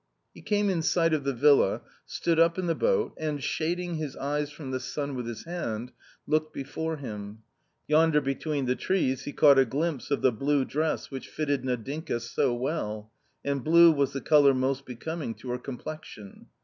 He came in sight of the villa, stood up in the boat and, shading his eyes from the sun with his hand, looked before him. Yonder between the trees he caught a glimpse of the blue dress which fitted Nadinka so well ; and blue was the colour most becoming to her complexion.